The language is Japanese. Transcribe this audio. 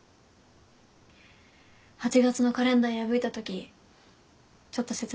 ８月のカレンダー破いたときちょっと切なかった。